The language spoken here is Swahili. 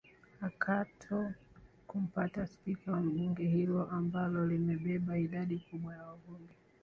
akato kumpata spika wa mbunge hilo ambalo limebeba idadi kubwa ya wabunge